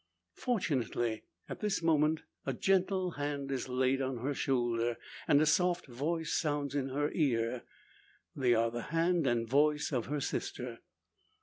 Fortunately, at this moment, a gentle hand is laid on her shoulder, and a soft voice sounds in her ear. They are the hand and voice of her sister.